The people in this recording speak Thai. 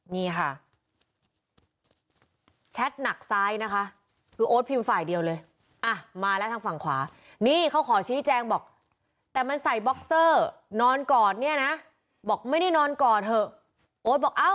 นี่ค่ะแชทหนักซ้ายนะคะคือโอ๊ตพิมพ์ฝ่ายเดียวเลยอ่ะมาแล้วทางฝั่งขวานี่เขาขอชี้แจงบอกแต่มันใส่บ็อกเซอร์นอนกอดเนี่ยนะบอกไม่ได้นอนกอดเถอะโอ๊ตบอกเอ้า